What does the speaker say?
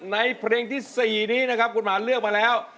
ในเพลงที่๔นี้นะครับคุณหมาเลือกมาแล้ว